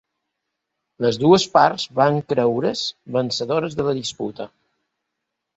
Les dues parts van creure's vencedores de la disputa.